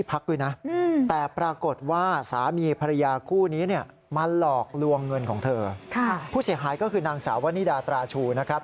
ผู้เสียหายก็คือนางสาววนิดาตราชูนะครับ